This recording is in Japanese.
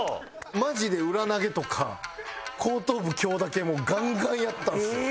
マジで裏投げとか後頭部強打系もうガンガンやったんですよ。